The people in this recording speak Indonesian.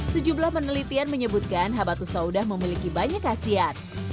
sejumlah penelitian menyebutkan habatus sauda memiliki banyak hasiat